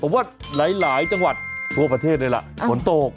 ผมว่าหลายจังหวัดทั่วประเทศเลยล่ะฝนตก